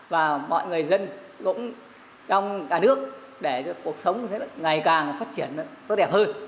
và mọi người dân cũng trong cả nước để cho cuộc sống ngày càng phát triển tốt đẹp hơn